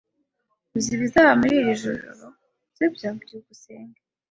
Uzi ibizaba muri iri joro, sibyo? byukusenge